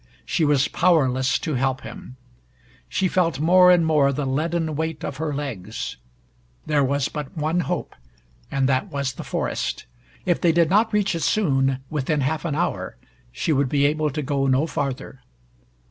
She was powerless to help him. She felt more and more the leaden weight of her legs. There was but one hope and that was the forest. If they did not reach it soon, within half an hour, she would be able to go no farther.